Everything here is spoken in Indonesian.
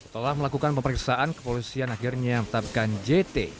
setelah melakukan pemeriksaan kepolisian akhirnya menetapkan jt